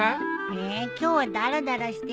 えっ今日はだらだらしていたいよ。